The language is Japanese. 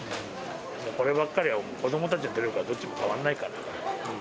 こればっかりは子どもたちの努力はどっちの学校も変わらないから。